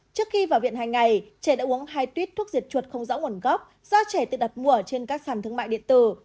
trước khi vào viện hàng ngày trẻ đã uống hai tuyếp thuốc diệt chuột không rõ nguồn gốc do trẻ tự đặt mua trên các sàn thương mại điện tử